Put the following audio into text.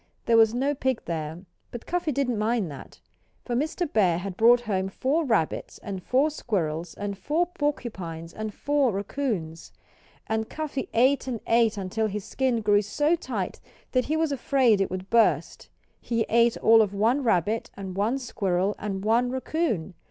There was no pig there, but Cuffy didn't mind that. For Mr. Bear had brought home four rabbits, and four squirrels, and four porcupines, and four raccoons. And Cuffy ate and ate until his skin grew so tight that he was afraid it would burst. He ate all of one rabbit, and one squirrel, and one raccoon.